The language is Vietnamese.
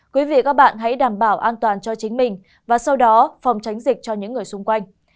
quý vị các bạn hãy đảm bảo an toàn cho chính mình và sau đó phòng tránh dịch cho những người xung quanh